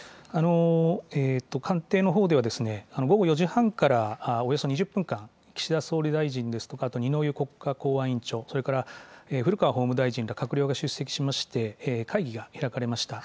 官邸のほうでは、午後４時半からおよそ２０分間、岸田総理大臣ですとか、あと二之湯国家公安委員長、それから古川法務大臣ら、閣僚が出席しまして、会議が開かれました。